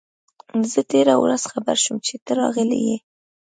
زه تېره ورځ خبر شوم چي ته راغلی یې.